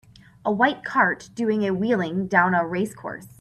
A white cart doing a wheeling down a race course.